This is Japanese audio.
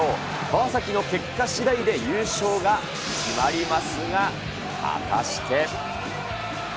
川崎の結果しだいで優勝が決まりますが、果たして。